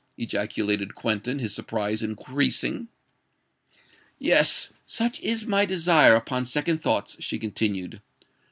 ejaculated Quentin, his surprise increasing. "Yes—such is my desire, upon second thoughts," she continued.